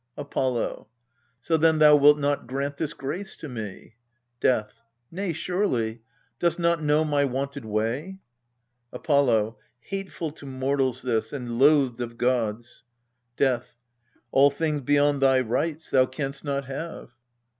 Apollo. So then thou wilt not grant this grace to me ? Death. Nay surely dost not know my wonted way ? Apollo. Hateful to mortals this, and loathed of gods. Death. All things beyond thy rights thou canst not have.